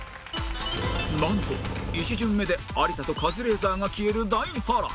なんと１巡目で有田とカズレーザーが消える大波乱！